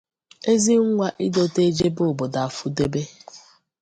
Ezi nwa idoto ejebe obodo afụdobe.